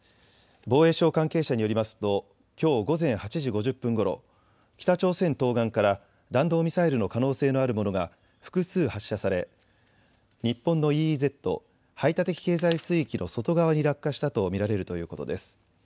防衛省関係者によりますときょう午前８時５０分ごろ、北朝鮮東岸から弾道ミサイルの可能性のあるものが複数発射され日本のＥＥＺ・排他的経済水域の外側に落下したと見られるということです。